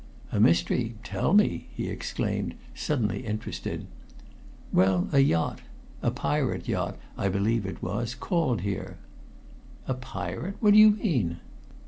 "A mystery tell me," he exclaimed, suddenly interested. "Well, a yacht a pirate yacht, I believe it was called here." "A pirate! What do you mean?"